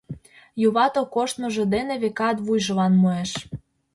Юватыл коштмыжо дене, векат, вуйжылан муэш.